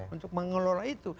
untuk mengelola itu